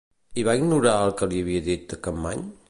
I va ignorar el que li havia dit Campmany?